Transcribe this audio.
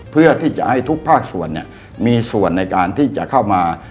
เพื่อที่จะให้ทุกภาคส่วนมีส่วนในการที่จะเข้ามา